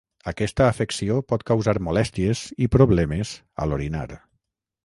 Aquesta afecció pot causar molèsties i problemes a l'orinar.